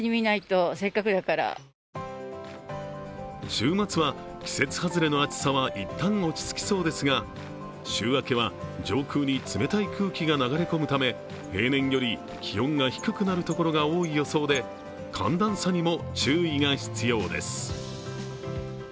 週末は、季節外れの暑さは一旦落ち着きそうですが、週明けは上空に冷たい空気が流れ込むため平年より気温が低くなるところが多い予想で寒暖差にも注意が必要です。